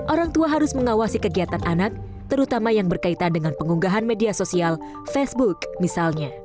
orang tua harus mengawasi kegiatan anak terutama yang berkaitan dengan pengunggahan media sosial facebook misalnya